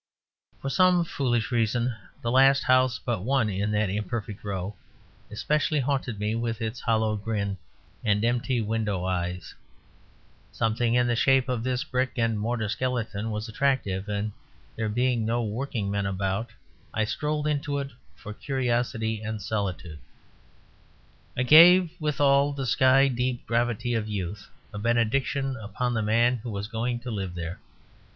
For some foolish reason the last house but one in that imperfect row especially haunted me with its hollow grin and empty window eyes. Something in the shape of this brick and mortar skeleton was attractive; and there being no workmen about, I strolled into it for curiosity and solitude. I gave, with all the sky deep gravity of youth, a benediction upon the man who was going to live there.